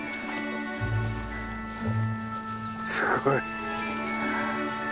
すごい。